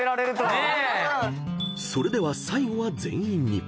［それでは最後は全員に］